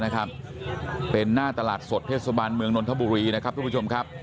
นะครับเป็นหน้าตลาดสดเทศบาลเมืองนนทบุรีนะครับทุกผู้ชมครับ